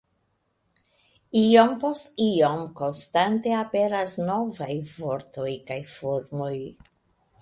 Iom post iom konstante aperas novaj vortoj kaj formoj.